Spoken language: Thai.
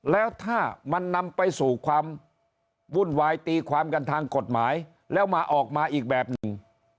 แล้วถ้ามันนำไปสู่ความวุ่นวายตีความกันทางกฎหมายแล้วมาออกมาอีกแบบหนึ่ง